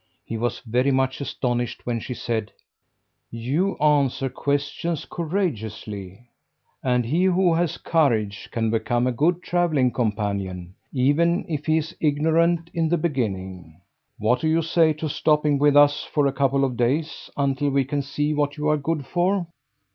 He was very much astonished when she said: "You answer questions courageously; and he who has courage can become a good travelling companion, even if he is ignorant in the beginning. What do you say to stopping with us for a couple of days, until we can see what you are good for?"